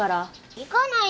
行かない！